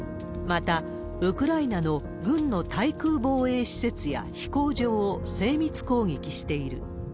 また、ウクライナの軍の対空防衛施設や飛行場を精密攻撃している。